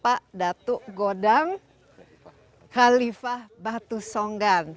pak datuk godang khalifah batu songgan